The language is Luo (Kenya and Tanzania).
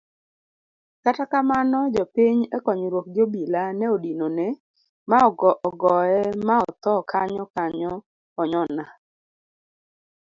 Kata kamano jopiny ekonyruok gi obila ne odinone ma ogoye ma othoo kanyokanyo onyona